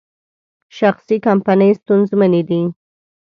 شخصي کمپنۍ ستونزمنې دي.